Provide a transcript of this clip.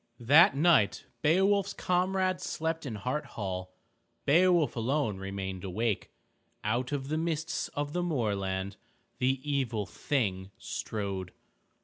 That night Beowulf's comrades slept in Hart Hall. Beowulf alone remained awake. Out of the mists of the moorland the Evil Thing strode.